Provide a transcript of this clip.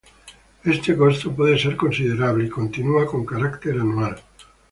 Este costo puede ser considerable y continúa con carácter anual.